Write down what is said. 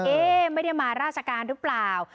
ไม่ได้มาราชการหรือเปล่า